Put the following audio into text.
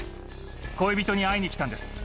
恋人に会いに来たんです。